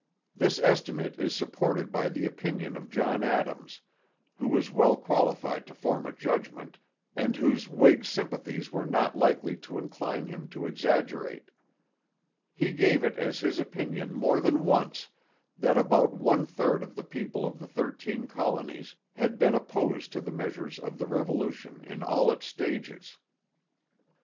This estimate is supported by the opinion of John Adams, who was well qualified to form a judgment, and whose Whig sympathies were not likely to incline him to exaggerate. He gave it as his opinion more than once that about one third of the people of the Thirteen Colonies had been opposed to the measures of the Revolution in all its stages.